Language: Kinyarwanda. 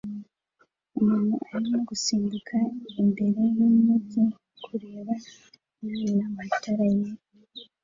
Umuntu arimo gusimbuka imbere yumujyi kureba nana matara yera